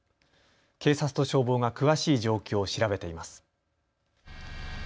警察と消防が詳しい状況を調べています。